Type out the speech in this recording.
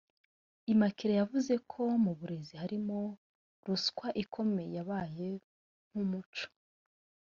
Immaculee yavuze ko mu burezi harimo ruswa ikomeye yabaye nk’umuco